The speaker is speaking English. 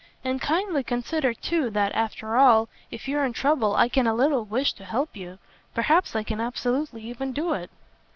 And kindly consider too that, after all, if you're in trouble I can a little wish to help you. Perhaps I can absolutely even do it."